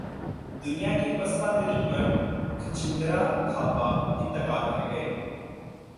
دنیا کے پستہ ترین مرد کھجیندرا تھاپا انتقال کر گئے